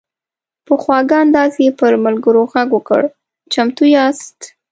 په خواږه انداز یې پر ملګرو غږ وکړ: "چمتو یاست؟"